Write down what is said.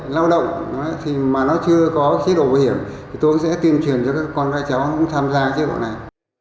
lao động mà nó chưa có chế độ bảo hiểm thì tôi cũng sẽ tuyên truyền cho các con trai chó cũng tham gia chế độ này